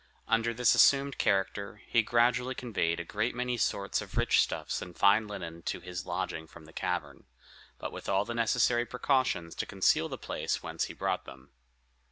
Under this assumed character, he gradually conveyed a great many sorts of rich stuffs and fine linen to his lodging from the cavern, but with all the necessary precautions to conceal the place whence he brought them.